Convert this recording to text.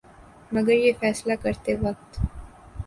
مگر یہ فیصلہ کرتے وقت